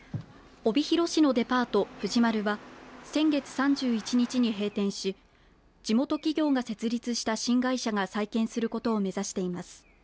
帯広市のデパート、藤丸は先月３１日に閉店し地元企業が設立した新会社が再建することを目指しています。